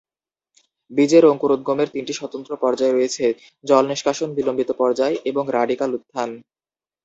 বীজের অঙ্কুরোদ্গমের তিনটি স্বতন্ত্র পর্যায় রয়েছে: জলনিষ্কাশন, বিলম্বিত পর্যায় এবং রাডিকেল উত্থান।